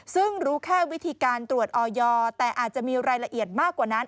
ซึ่งรู้แค่วิธีการตรวจออยแต่อาจจะมีรายละเอียดมากกว่านั้น